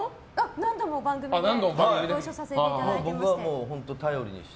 何度も番組でご一緒させていただきまして。